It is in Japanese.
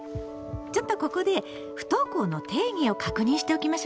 ちょっとここで不登校の定義を確認しておきましょうか。